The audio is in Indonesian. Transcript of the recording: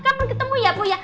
kapan ketemu ya bu ya